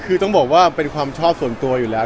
คือต้องบอกว่าเป็นความชอบส่วนตัวอยู่แล้ว